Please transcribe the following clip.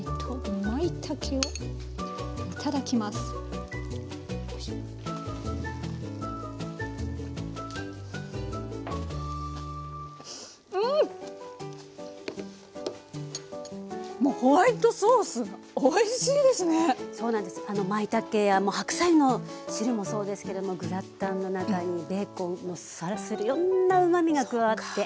まいたけや白菜の汁もそうですけどもグラタンの中にベーコンもいろんなうまみが加わって。